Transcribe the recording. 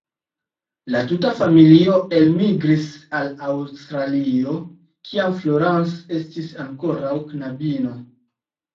La tuta familio elmigris al Aŭstralio, kiam Florence estis ankoraŭ knabino.